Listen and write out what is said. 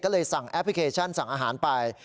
ก็เลยสั่งแอปพลิเคชันสั่งอาหารไป